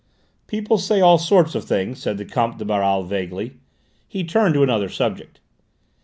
"People say all sorts of things," said the Comte de Baral vaguely. He turned to another subject.